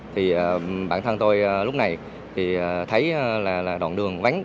thì bản thân tôi lúc này thì thấy là đoạn đường vắng